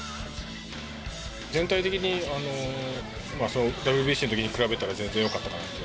全体的に、ＷＢＣのときに比べたら全然よかったかなと。